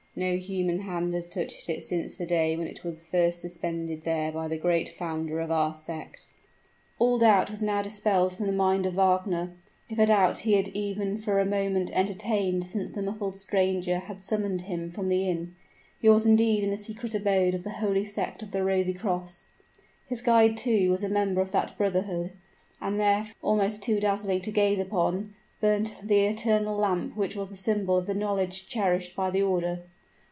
No human hand has touched it since the day when it was first suspended there by the great founder of our sect." All doubt was now dispelled from the mind of Wagner if a doubt he had even for a moment entertained since the muffled stranger had summoned him from the inn: he was indeed in the secret abode of the holy sect of the Rosy Cross! His guide, too, was a member of that brotherhood and there, almost too dazzling to gaze upon, burnt the eternal lamp which was the symbol of the knowledge cherished by the order!